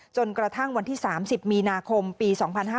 จนกระทั่งวันที่๓๐มีนาคมปี๒๕๕๙